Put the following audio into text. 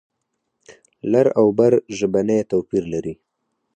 لر او بر ژبنی توپیر لري.